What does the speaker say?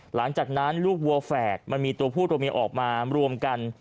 หลังจากนั้นลูกวัวแฝดมันมีตัวผู้ตัวเมียออกมารวมกัน